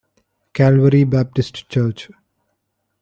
Calvary Baptist Church.